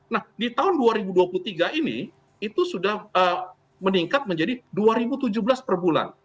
nah di tahun dua ribu dua puluh tiga ini itu sudah meningkat menjadi dua ribu tujuh belas per bulan